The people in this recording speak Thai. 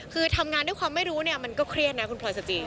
คือทำงานด้วยความไม่รู้เนี่ยมันก็เครียดนะคุณพลอยสจิน